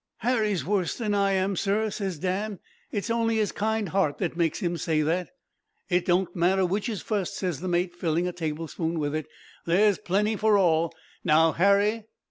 "'Harry's worse than I am, sir,' ses Dan; 'it's only his kind heart that makes him say that.' "'It don't matter which is fust,' ses the mate, filling a tablespoon with it, 'there's plenty for all. Now, Harry.'